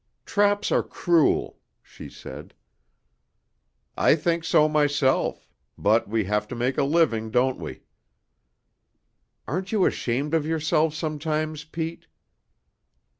"Traps are cruel," she said. "I think so myself. But we have to make a living, don't we?" "Aren't you ashamed of yourself sometimes, Pete?"